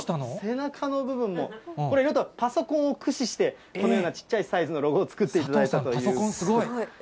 背中の部分も、これ、パソコンを駆使して、このようなちっちゃいサイズのロゴを作っていただいたということで。